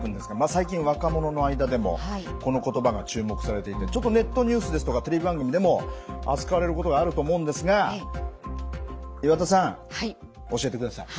最近若者の間でもこの言葉が注目されていてネットニュースですとかテレビ番組でも扱われることがあると思うんですが岩田さん教えてください。